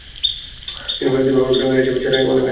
তিনি প্রযুক্তি ব্যবহার করে গাড়ির চাবি ছাড়াই গাড়ি আনলক করে!